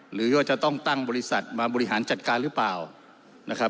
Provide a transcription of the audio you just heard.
หรือว่าจะต้องตั้งบริษัทมาบริหารจัดการหรือเปล่านะครับ